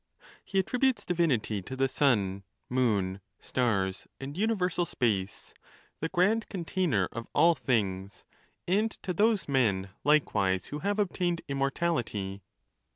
He attributes divinity to the sun, moon, stars, and universal space, the grand container of all things, and to those men likewise who have obtained immortality.